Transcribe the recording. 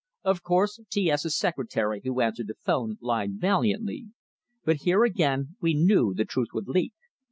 Of course T S's secretary, who answered the phone, lied valiantly; but here again, we knew the truth would leak.